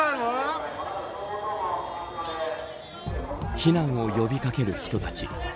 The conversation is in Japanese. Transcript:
避難を呼び掛ける人たち。